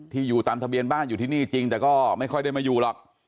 อยู่ตามทะเบียนบ้านอยู่ที่นี่จริงแต่ก็ไม่ค่อยได้มาอยู่หรอก